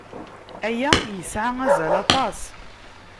Aya yesɛa azal aṭas.